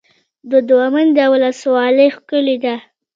د دوه منده ولسوالۍ ښکلې ده